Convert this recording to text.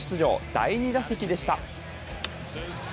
第２打席でした。